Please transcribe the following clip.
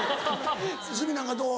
鷲見なんかどう？